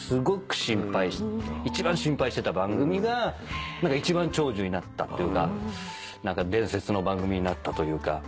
一番心配してた番組が一番長寿になったっていうか何か伝説の番組になったというか。